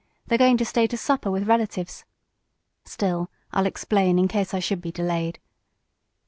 They're going to stay to supper with relatives. Still, I'll explain in case I should be delayed."